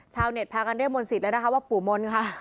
ชาวเน็ตพากันเรียกมนต์สิทธิ์แล้วนะคะว่าปู่มนต์ค่ะ